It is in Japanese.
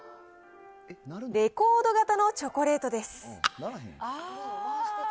レコード型のチョコレートです。